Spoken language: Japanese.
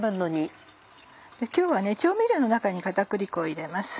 今日は調味料の中に片栗粉を入れます。